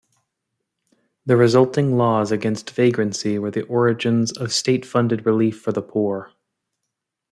The resulting laws against vagrancy were the origins of state-funded relief for the poor.